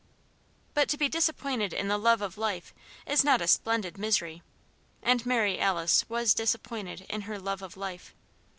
But to be disappointed in the love of life is not a splendid misery. And Mary Alice was disappointed in her love of life.